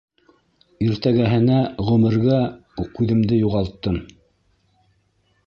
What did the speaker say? Иртәгәһенә ғүмергә күҙемде юғалттым.